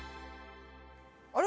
あれ？